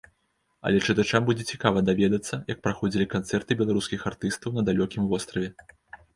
Але чытачам будзе цікава даведацца, як праходзілі канцэрты беларускіх артыстаў на далёкім востраве?